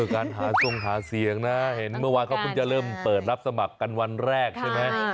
การหาทรงหาเสียงนะเห็นเมื่อวานเขาเพิ่งจะเริ่มเปิดรับสมัครกันวันแรกใช่ไหม